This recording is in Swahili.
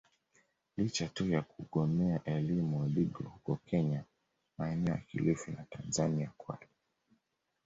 Licha tu ya kugomea elimu wadigo huko kenya maeneo ya kilifi na Tanzania Kwale